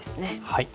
はい。